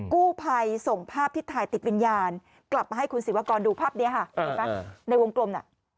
กู้ภัยส่งภาพที่ถ่ายติดวิญญาณกลับมาให้คุณศิวากรดูภาพนี้ในวงกลม